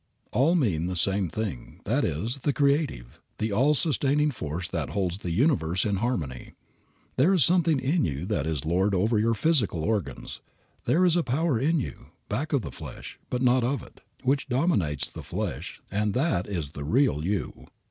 All mean the same thing, that is, the creative, the all sustaining Force that holds the universe in harmony. There is something in you that is lord over your physical organs. There is a power in you, back of the flesh, but not of it, which dominates the flesh, and that is the real you.